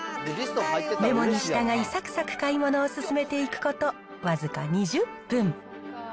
メモに従い、さくさく買い物を進めていくこと僅か２０分。